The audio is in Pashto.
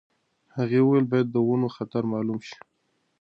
هغې وویل باید د ونو خطر مالوم شي.